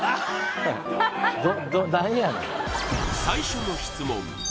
最初の質問